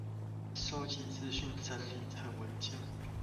搜集資訊整理成文件